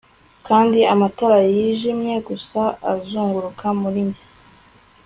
Kandi amatara yijimye gusa azunguruka muri njye